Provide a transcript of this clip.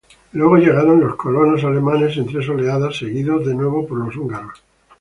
Luego llegaron los colonos alemanes en tres oleadas, seguidos de nuevo por los húngaros.